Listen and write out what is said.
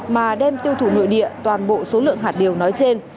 mà đem tiêu thụ nội địa toàn bộ số lượng hạt điều nói trên